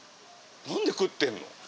何で食ってんの？